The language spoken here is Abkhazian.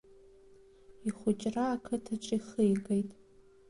Ихәыҷра ақыҭаҿы ихигеит.